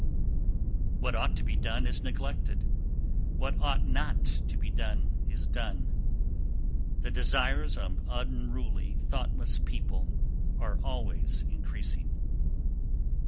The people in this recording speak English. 292. What ought to be done is neglected, what ought not to be done is done; the desires of unruly, thoughtless people are always increasing.